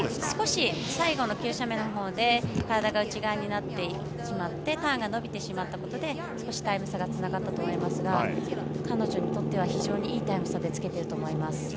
少し、最後の急斜面で体が内側になってターンが伸びてしまったことがタイム差につながったと思いますが彼女にとってはいいタイム差でつけていると思います。